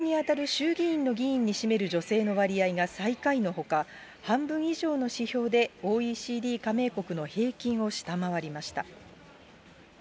日本は企業の管理職や、下院に当たる衆議院の議員に占める女性の割合が最下位のほか、半分以上の指標でＯＥＣＤ加盟国の平均を下回りました。